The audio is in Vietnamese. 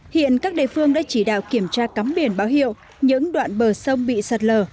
hiện các địa phương đã chỉ đạo kiểm tra cắm biển báo hiệu những đoạn bờ sông bị sạt lở